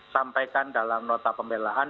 sampaikan dalam nota pembelahan